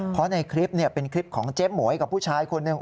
เพราะในคลิปเป็นคลิปของเจ๊หมวยกับผู้ชายคนหนึ่ง